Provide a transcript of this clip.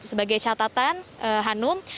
sebagai catatan hanum